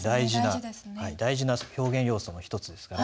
大事な表現要素の一つですから。